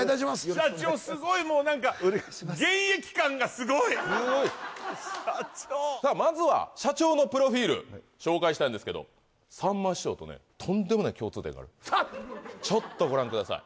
社長すごいもうなんかまずは社長のプロフィール紹介したいんですけどさんま師匠とねとんでもない共通点があるんですちょっとご覧ください